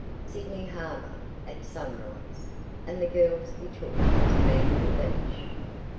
Sydney Harbour at sunrise, and the girls we took to Manly Beach.